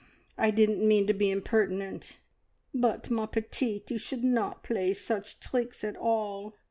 I didn't mean to be impertinent." "But, ma petite, you should not play such treecks at all!"